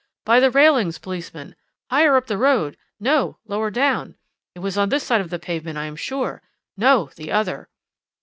"'By the railings, policeman.' "'Higher up the road.' "'No, lower down.' "'It was on this side of the pavement I am sure.' "No, the other.'